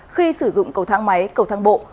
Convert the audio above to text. khi sử dụng cầu thang máy cầu thang bộ